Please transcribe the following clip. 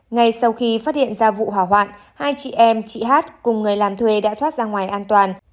ngay sau khi phát hiện ra vụ hỏa hoạn hai chị em chị hát cùng người làm thuê đã thoát ra ngoài an toàn